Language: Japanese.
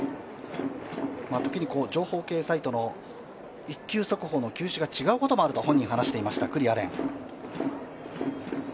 ときに情報系サイトの１球速報の情報が違うこともあると本人は話していました、九里亜蓮。